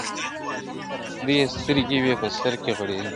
دوې یې سترګي وې په سر کي غړېدلې-